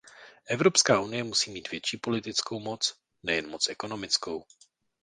Evropská unie musí mít větší politickou moc, nejen moc ekonomickou.